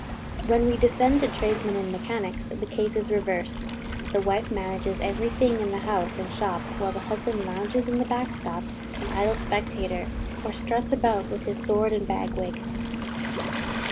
When we descend to tradesmen and mechanics, the case is reversed: the wife manages every thing in the house and shop, while the husband lounges in the back shop an idle spectator, or struts about with his sword and bag wig.